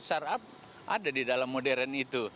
startup ada di dalam modern itu